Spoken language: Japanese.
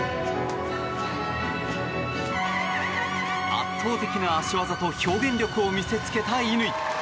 圧倒的な脚技と表現力を見せつけた乾。